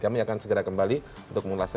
kami akan segera kembali untuk mengulasnya